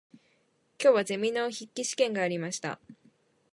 今日はゼミの筆記試験がありました。